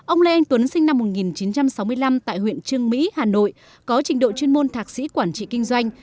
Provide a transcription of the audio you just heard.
ông lê anh tuấn sinh năm một nghìn chín trăm sáu mươi năm tại huyện trương mỹ hà nội có trình độ chuyên môn thạc sĩ quản trị kinh doanh